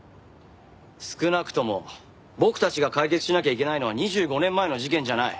少なくとも僕たちが解決しなきゃいけないのは２５年前の事件じゃない。